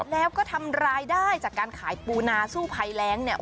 แล้วก็ทำรายได้จากการขายปูนาสู้ภัยแรงเนี่ย